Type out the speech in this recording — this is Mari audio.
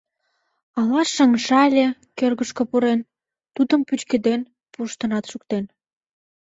Ала шыҥшале, кӧргышкыжӧ пурен, тудым пӱчкеден пуштынат шуктен?